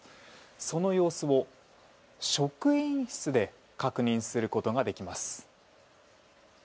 その様子を職員室で確認することができます。